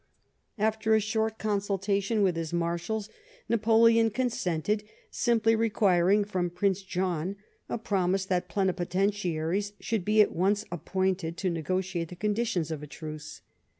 After a short consultation with his marshals,^ Napoleon consented, simply requiring from Prince John a promise that plenipotentiaries should be at once ap pointed to negotiate the conditions of a truce.